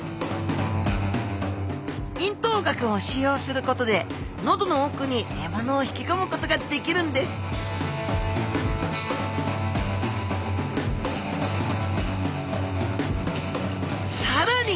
咽頭顎を使用することで喉の奥に獲物を引きこむことができるんですさらに